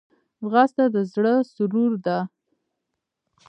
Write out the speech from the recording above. ځغاسته د زړه سرور ده